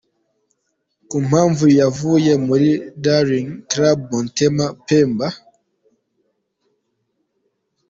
Ku mpamvu yavuye muri Daring Club Motema Pembe.